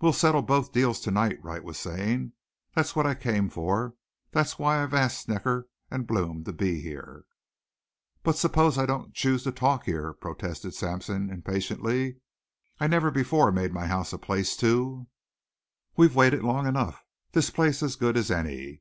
"We'll settle both deals to night," Wright was saying. "That's what I came for. That's why I've asked Snecker and Blome to be here." "But suppose I don't choose to talk here?" protested Sampson impatiently. "I never before made my house a place to " "We've waited long enough. This place's as good as any.